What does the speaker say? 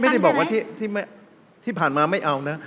ไม่ได้บอกว่าที่ผ่านมาไม่เอานะ